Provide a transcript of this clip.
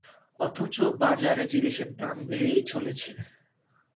অথচ বাজারে জিনিসের দাম বেড়েই চলেছে।